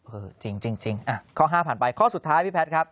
จริงข้อ๕ผ่านไปข้อสุดท้ายพี่แพทย์ครับ